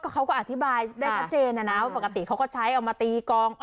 เขาก็อธิบายได้ชัดเจนนะนะว่าปกติเขาก็ใช้เอามาตีกอง